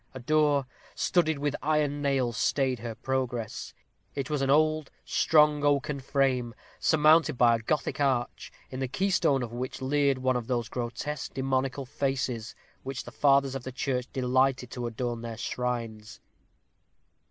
A door, studded with iron nails, stayed her progress; it was an old, strong oaken frame, surmounted by a Gothic arch, in the keystone of which leered one of those grotesque demoniacal faces with which the fathers of the church delighted to adorn their shrines.